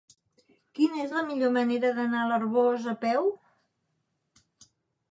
Quina és la millor manera d'anar a l'Arboç a peu?